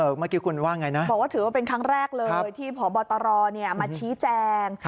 ค่ะบอกว่าถือว่าเป็นครั้งแรกเลยที่ผบตรมาชี้แจง